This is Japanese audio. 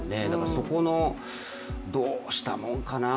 そこの、どうしたものかなあ。